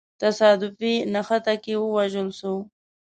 تصادفي نښته کي ووژل سو.